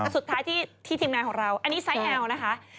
สุดท้ายที่ทีมงานของเราอันนี้ไซส์แอลนะคะ